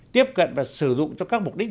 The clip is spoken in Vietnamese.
tiếp cận và sử dụng cho các mục đích